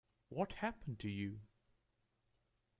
What happened to you?